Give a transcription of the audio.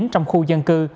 trong khu dân cư